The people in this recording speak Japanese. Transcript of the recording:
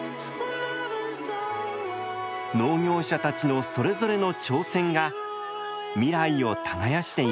農業者たちのそれぞれの挑戦が未来を耕しています。